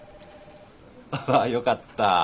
ああよかった。